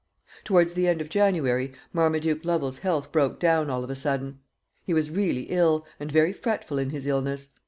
Towards the end of January, Marmarduke Lovel's health broke down all of a sudden. He was really ill, and very fretful in his illness.